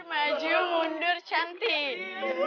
mundur maju mundur cantik